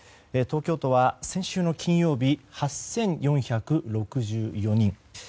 東京都は先週の金曜日、８４６４人。